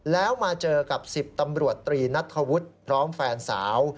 แล้วมาเจอกับ๑๐ตำรวจตรีนัทธวุฒิพร้อมแฟนสาว